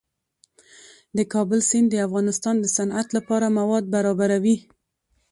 د کابل سیند د افغانستان د صنعت لپاره مواد برابروي.